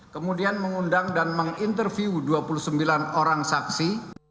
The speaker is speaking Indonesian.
kemudian mengundang dan menginterview dua puluh sembilan orang saksi